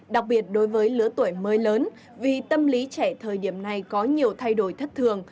đặc biệt đối với lứa tuổi mới lớn vì tâm lý trẻ thời điểm này có nhiều thay đổi thất thường